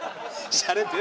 しゃれてる！